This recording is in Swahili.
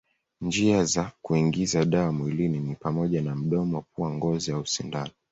Njia za kuingiza dawa mwilini ni pamoja na mdomo, pua, ngozi au sindano.